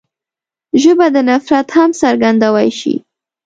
ژبه د نفرت هم څرګندوی شي